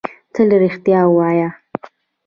تل رېښتيا وايه